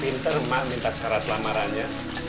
pinter mah minta syarat lamarannya